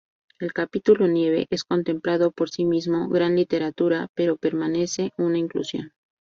El capítulo "Nieve" es, contemplado por sí mismo, gran literatura, pero permanece una inclusión.